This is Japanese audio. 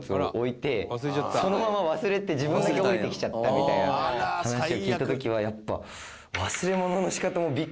みたいな話を聞いた時はやっぱ。